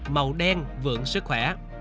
màu đen vượng sức khỏe